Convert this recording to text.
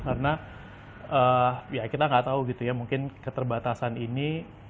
karena ya kita gak tau gitu ya mungkin keterbatasan ini